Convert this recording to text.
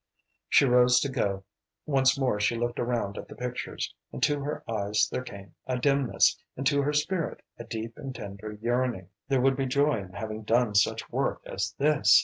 She rose to go. Once more she looked around at the pictures, and to her eyes there came a dimness, and to her spirit a deep and tender yearning. There would be joy in having done such work as this.